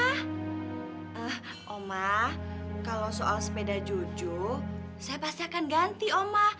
ah oma kalau soal sepeda jujur saya pasti akan ganti oma